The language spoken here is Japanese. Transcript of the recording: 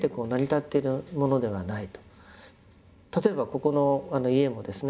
例えばここの家もですね